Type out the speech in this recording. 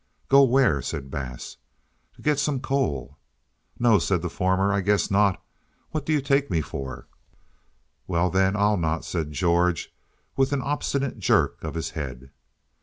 "Go where?" said Bass. "To get some coal." "No," said the former, "I guess not. What do you take me for?" "Well, then, I'll not," said George, with an obstinate jerk of his head.